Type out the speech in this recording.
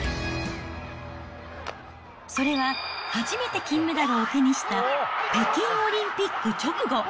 それは、初めて金メダルを手にした北京オリンピック直後。